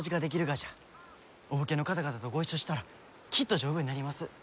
お武家の方々とご一緒したらきっと丈夫になります。